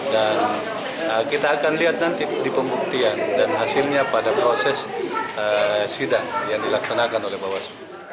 dan kita akan lihat nanti di pembuktian dan hasilnya pada proses sidang yang dilaksanakan oleh bawas